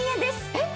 えっ！